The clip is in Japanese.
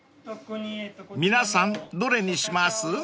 ［皆さんどれにします？］